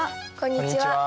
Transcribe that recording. こんにちは。